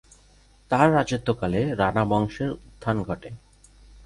তাঁর রাজত্বকালে রানা বংশের উত্থান ঘটে।